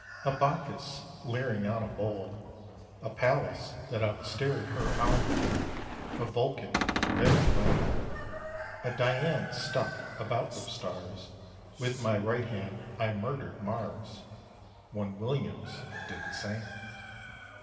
A Bacchus, leering on a bowl, A Pallas that out stared her owl, A Vulcan very lame; A Dian stuck about with stars, With my right hand I murdered Mars (One Williams did the same).